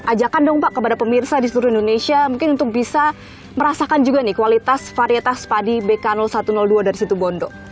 ajakan dong pak kepada pemirsa di seluruh indonesia mungkin untuk bisa merasakan juga nih kualitas varietas padi bk satu ratus dua dari situ bondo